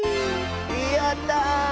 やった！